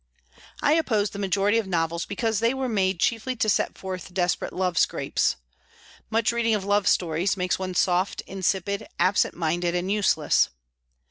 I opposed the majority of novels because they were made chiefly to set forth desperate love scrapes. Much reading of love stories makes one soft, insipid, absent minded, and useless.